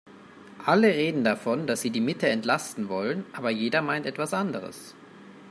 Alle reden davon, dass sie die Mitte entlasten wollen, aber jeder meint etwas anderes.